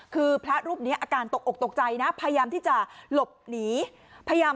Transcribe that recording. คือพระรูปนี้อาการตกอกตกใจนะพยายามที่จะหลบหนีพยายาม